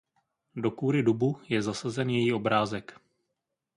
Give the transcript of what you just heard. Do kůry dubu je zasazen její obrázek.